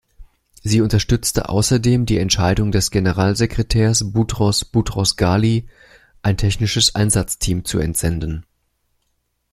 Sie unterstützte außerdem die Entscheidung des Generalsekretärs Boutros Boutros-Ghali, ein technisches Einsatzteam zu entsenden.